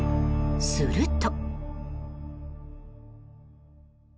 すると。